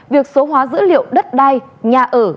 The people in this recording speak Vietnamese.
việc số hóa dữ liệu đất đai nhà ở